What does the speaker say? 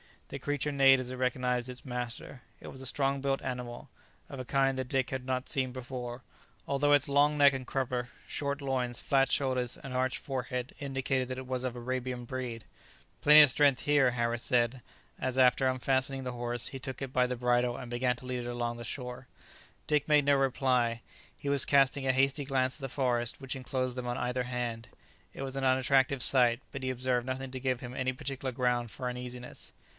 The creature neighed as it recognized its master. It was a strong built animal, of a kind that Dick had not seen before, although its long neck and crupper, short loins, flat shoulders and arched forehead indicated that it was of Arabian breed. [Illustration: They came to a tree to which a horse was tethered.] "Plenty of strength here," Harris said, as after unfastening the horse, he took it by the bridle and began to lead it along the shore. Dick made no reply; he was casting a hasty glance at the forest which enclosed them on either hand; it was an unattractive sight, but he observed nothing to give him any particular ground for uneasiness.